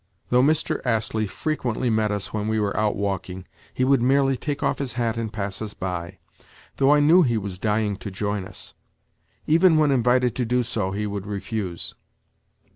Though Mr. Astley frequently met us when we were out walking, he would merely take off his hat and pass us by, though I knew he was dying to join us. Even when invited to do so, he would refuse.